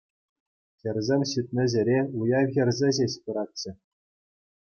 Хӗрсем ҫитнӗ ҫӗре уяв хӗрсе ҫеҫ пыратчӗ.